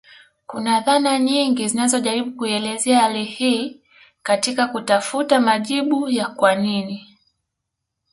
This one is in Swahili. Kuna dhana nyingi zinazojaribu kuielezea hali hii katika kutafuta majibu ya kwa nini